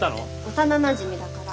幼なじみだから。